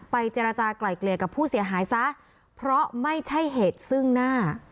เจรจากลายเกลี่ยกับผู้เสียหายซะเพราะไม่ใช่เหตุซึ่งหน้า